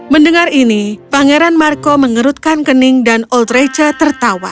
mendengar ini pangeran marco mengerutkan kening dan old recha tertawa